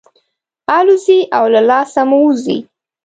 الوزي او له لاسه مو وځي.